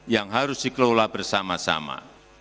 yang harus dikelola bersama sama